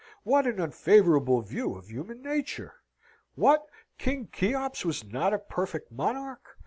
What an unfavourable view of human nature! What? King Cheops was not a perfect monarch?